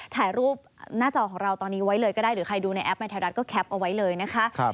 ถ่ายรูปหน้าจอของเราตอนนี้ไว้เลยก็ได้หรือใครดูในแป๊บในไทยรัฐก็แป๊ปเอาไว้เลยนะคะ